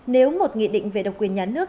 nếu một nghị định về độc quyền nhà nước